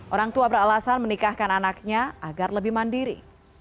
orang tua beralasan menikahkan anaknya agar lebih mandiri